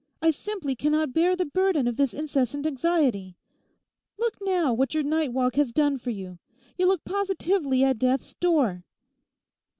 I simply cannot bear the burden of this incessant anxiety. Look, now, what your night walk has done for you! You look positively at death's door.